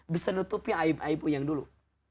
bisa nutupi aib aibku yang dulu